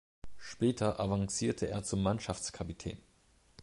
Später avancierte er zum Mannschaftskapitän.